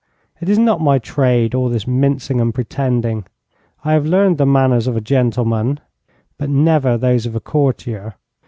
It is not my trade, all this mincing and pretending. I have learned the manners of a gentleman, but never those of a courtier.